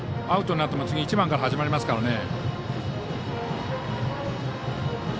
アウトになっても次１番から始まりますから。